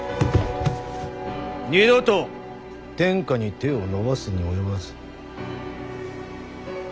二度と天下に手を伸ばすに及ばず。